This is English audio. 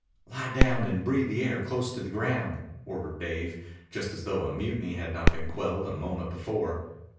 "Lie down and breathe the air close to the ground," ordered Dave, just as though a mutiny had not been quelled a moment before.